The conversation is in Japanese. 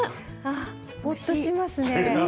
ほっとしますね。